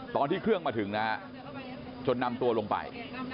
ตอนที่เครื่องมาถึงนะฮะจนนำตัวลงไป